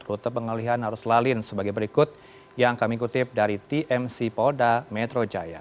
rute pengalihan arus lalin sebagai berikut yang kami kutip dari tmc polda metro jaya